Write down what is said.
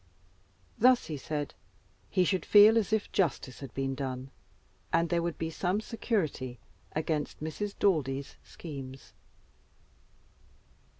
Thus, he said, he should feel as if justice had been done, and there would be some security against Mrs. Daldy's schemes.